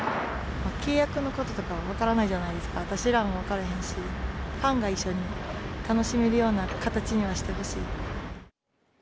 契約のこととかは分からないじゃないですか、私らも分からへんし、ファンが一緒に楽しめるような形にはしてほしい。